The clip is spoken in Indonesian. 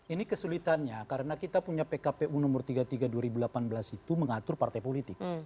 ini kesulitannya karena kita punya pkpu nomor tiga puluh tiga dua ribu delapan belas itu mengatur partai politik